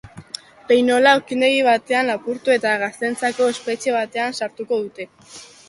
Behinola okindegi batean lapurtu eta gazteentzako espetxe batean sartuko dute.